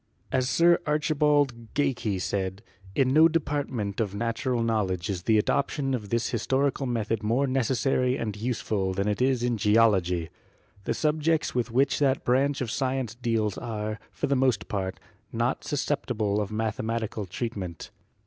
As Sir Archibald Geikie said : "In no department of natu ral knowledge is the adoption of this historical method more necessary and useful than it is in Geology. The sub jects with which that branch of science deals are, for the most part, not susceptible of mathematical treatment.